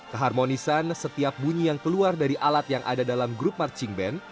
keharmonisan setiap bunyi yang keluar dari alat yang ada dalam grup marching band